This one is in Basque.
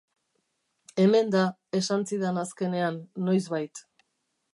Hemen da, esan zidan azkenean, noizbait.